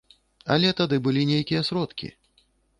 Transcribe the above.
Але тады былі нейкія сродкі.